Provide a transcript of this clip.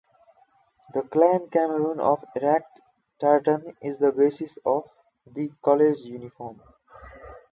The Clan Cameron of Erracht Tartan is the basis of the College uniform.